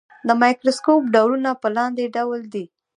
د مایکروسکوپ ډولونه په لاندې ډول دي.